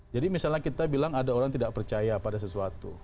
jadi misalnya kita bilang ada orang tidak percaya pada sesuatu